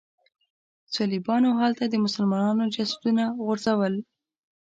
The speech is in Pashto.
صلیبیانو هلته د مسلمانانو جسدونه غورځول.